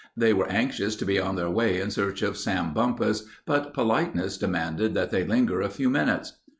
They were anxious to be on their way in search of Sam Bumpus, but politeness demanded that they linger a few minutes.